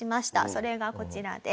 それがこちらです。